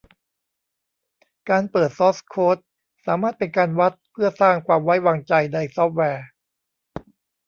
การเปิดซอร์สโค้ดสามารถเป็นการวัดเพื่อสร้างความไว้วางใจในซอฟต์แวร์